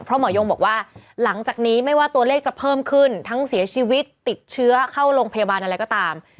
เพราะหมอยงบอกว่าหลังจากนี้ไม่ว่าตัวเลขจะเพิ่มขึ้นทั้งเสียชีวิตติดเชื้อเข้าโรงพยาบาลอะไรก็ตาม